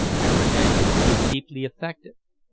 Faraday was deeply affected.